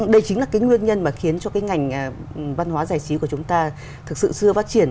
đây chính là cái nguyên nhân mà khiến cho cái ngành văn hóa giải trí của chúng ta thực sự xưa phát triển